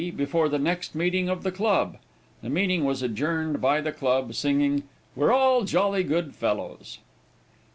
Before the next meeting of the club. The meeting was adjourned by the club, singing, "We're all jolly good fellows."